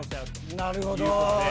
なるほど。